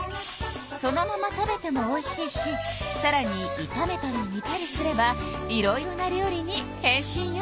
そのまま食べてもおいしいしさらにいためたりにたりすればいろいろな料理に変身よ。